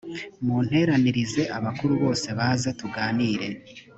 munteranirize abakuru bose baze tuganire